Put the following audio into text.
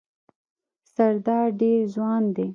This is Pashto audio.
سردار ډېر ځوان دی.